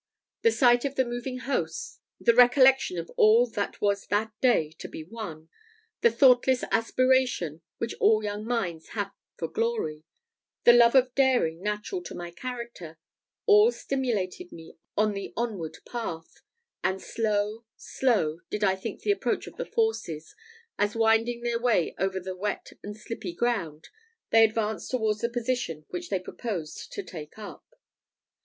The sight of the moving hosts the recollection of all that was that day to be won the thoughtless aspiration which all young minds have for glory the love of daring natural to my character; all stimulated me on the onward path; and slow, slow did I think the approach of the forces, as winding their way over the wet and slippy ground, they advanced towards the position which they proposed to take up.